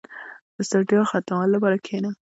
• د ستړیا ختمولو لپاره کښېنه.